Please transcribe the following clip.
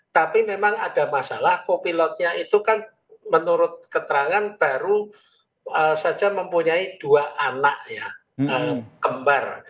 tapi memang ada masalah kopilotnya itu kan menurut keterangan baru saja mempunyai dua anak ya kembar